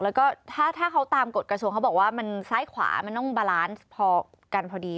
แล้วก็ถ้าเขาตามกฎกระทรวงเขาบอกว่ามันซ้ายขวามันต้องบาลานซ์พอกันพอดี